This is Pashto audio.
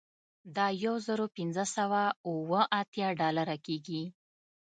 دا یو زر پنځه سوه اوه اتیا ډالره کیږي